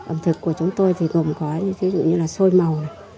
ẩm thực của chúng tôi thì gồm có như thí dụ như là xôi màu